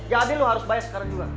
jadi lo harus bayar sekarang juga